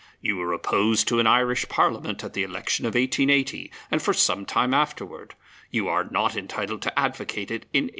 "You were opposed to an Irish Parliament at the election of 1880 and for some time afterward; you are not entitled to advocate it in 1886."